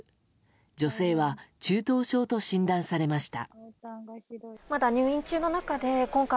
女性は中等症と診断されました。